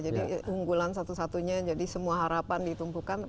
unggulan satu satunya jadi semua harapan ditumpukan